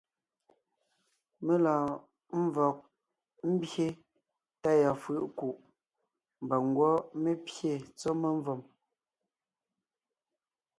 Mé lɔɔn ḿvɔg ḿbye tá yɔɔn fʉ̀ʼ ńkuʼ, mbà ńgwɔ́ mé pyé tsɔ́ memvòm.